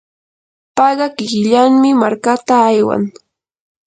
payqa kikillanmi markata aywan.